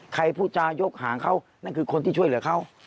ผู้จายกหางเขานั่นคือคนที่ช่วยเหลือเขา